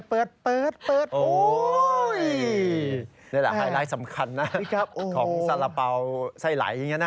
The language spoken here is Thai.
นี่คือรายแรกสำคัญของสาระเปาไตล์วารี